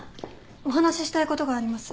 お話ししたいことがあります。